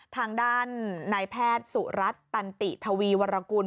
ทางด้านนายแพทย์สุรัตน์ตันติทวีวรกุล